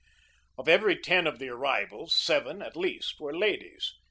Of every ten of the arrivals, seven, at least, were ladies.